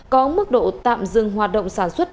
có mức độ tạm dừng hoạt động sản xuất